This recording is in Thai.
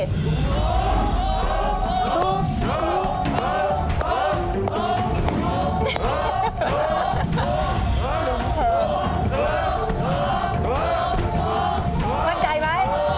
เขา